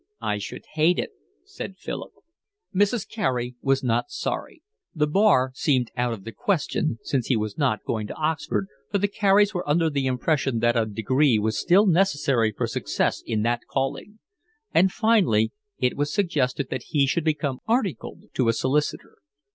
"I should hate it," said Philip. Mrs. Carey was not sorry. The Bar seemed out of the question, since he was not going to Oxford, for the Careys were under the impression that a degree was still necessary for success in that calling; and finally it was suggested that he should become articled to a solicitor.